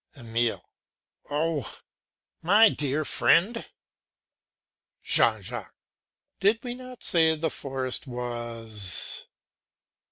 EMILE. Oh! my dear friend! JEAN JACQUES. Did not we say the forest was...